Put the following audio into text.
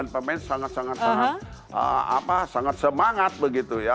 pemain sangat sangat semangat begitu ya